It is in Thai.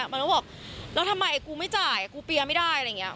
มันก็บอกแล้วทำไมกูไม่จ่ายกูเปียร์ไม่ได้อะไรอย่างนี้